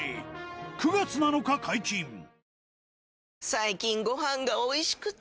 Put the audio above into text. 最近ご飯がおいしくて！